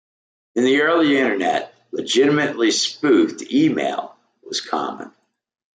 In the early Internet, "legitimately spoofed" email was common.